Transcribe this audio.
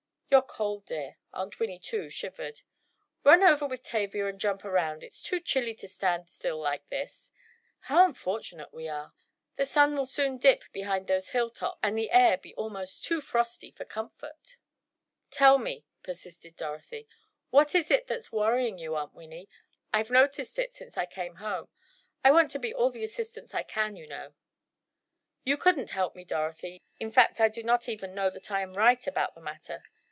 "You're cold, dear." Aunt Winnie, too, shivered. "Run over with Tavia and jump around, it's too chilly to stand still like this. How unfortunate we are! The sun will soon dip behind those hilltops, and the air be almost too frosty for comfort." "Tell me," persisted Dorothy, "what is it that's worrying you, Aunt Winnie? I've noticed it since I came home. I want to be all the assistance I can, you know." "You couldn't help me, Dorothy, in fact, I do not even know that I am right about the matter.